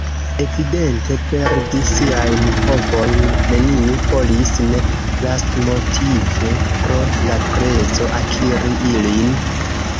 Evidente, perdi siajn povojn neniu volis – ne lastmotive pro la prezo akiri ilin.